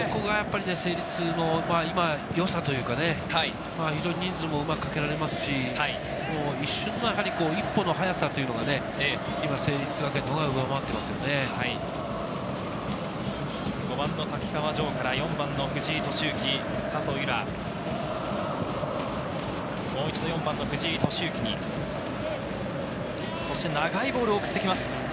成立の今よさというか、非常に人数もうまくかけられますし、一瞬の一歩の速さというのが、今、成立学園のほうが上回ってい５番の瀧川穣から４番の藤井利之、佐藤由空、もう一度４番・藤井利之に、そして長いボールを送ってきます。